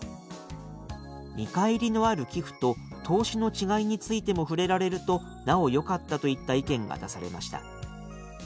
「見返りのある寄付と投資の違いについても触れられるとなおよかった」といった意見が出されました。